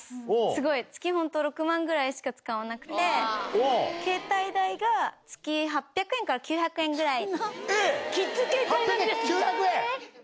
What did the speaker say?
すごい、月本当、６万ぐらいしか使わなくて、携帯代が月８００円から９００円ぐらい。